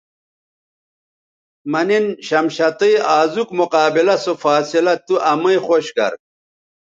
مہ نِن شمشتئ آزوک مقابلہ سو فاصلہ تو امئ خوش گر